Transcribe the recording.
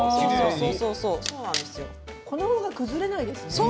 この方が崩れないですね。